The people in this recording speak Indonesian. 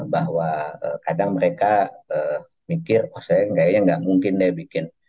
bahwa kadang mereka mikir oh saya kayaknya nggak mungkin deh bikin